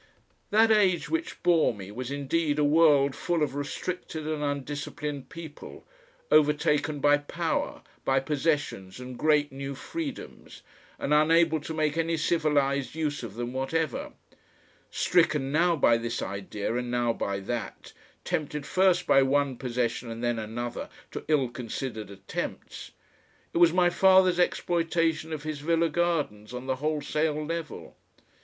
That age which bore me was indeed a world full of restricted and undisciplined people, overtaken by power, by possessions and great new freedoms, and unable to make any civilised use of them whatever; stricken now by this idea and now by that, tempted first by one possession and then another to ill considered attempts; it was my father's exploitation of his villa gardens on the wholesale level.